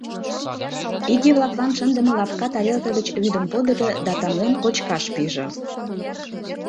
Иге-влаклан шындыме лапка тарелке гыч вӱдым подыльо да тамлен кочкаш пиже.